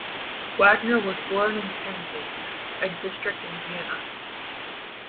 Wagner was born in Penzing, a district in Vienna.